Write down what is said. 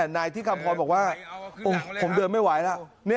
นายที่คำพรบอกว่าผมเดินไม่ไหวแล้ว